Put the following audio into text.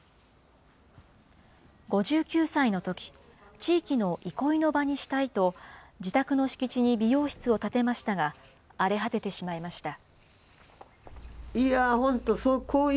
５９歳のとき、地域の憩いの場にしたいと、自宅の敷地に美容室を建てましたが、荒れ果ててしまいました。